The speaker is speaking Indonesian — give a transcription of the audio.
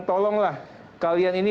tolonglah kalian ini